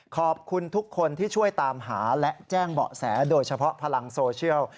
ขอบคุณทุกคนที่ช่วยตามหาและแจ้งเบาะแสโดยเฉพาะพลังโซเชียล